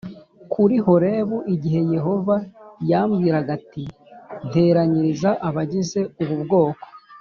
kuri Horebu, igihe Yehova yambwiraga ati ‘nteranyiriza abagize ubu bwoko